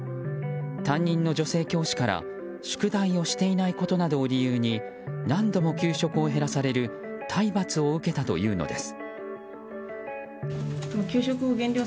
担任の女性教師から宿題をしていないことなどを理由に何度も給食を減らされる体罰を受けたというのです。